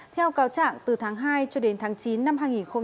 theo cáo trạng từ tháng hai cho đến tháng chín năm hai nghìn hai mươi